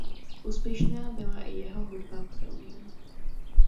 Úspěšná byla i jeho hudba k filmům.